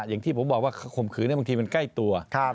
อย่างที่ผมบอกว่าข่มขืนบางทีมันใกล้ตัว